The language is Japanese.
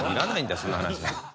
その話は。